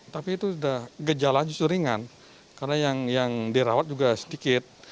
tapi itu sudah gejala justru ringan karena yang dirawat juga sedikit